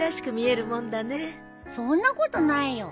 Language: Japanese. そんなことないよ。